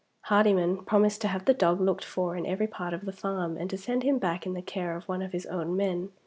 Hardyman promised to have the dog looked for in every part of the farm, and to send him back in the care of one of his own men.